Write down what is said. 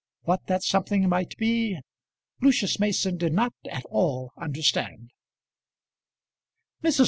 What that something might be Lucius Mason did not at all understand. Mrs.